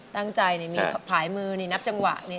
ตั้งใจนี่ผายมือนี่นับจังหวะนี่